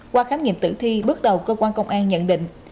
qua khám nghiệm tử thi bước đầu cơ quan công an nhận định